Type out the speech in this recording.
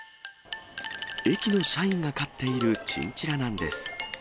駅の社員が飼っているチンチラなんです。